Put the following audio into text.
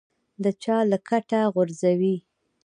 چا له کټه غورځوي.